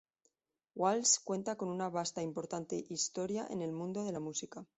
Walsh cuenta con una vasta e importante historia en el mundo de la música.